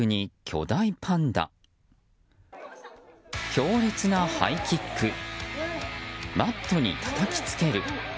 強烈なハイキックマットにたたきつける。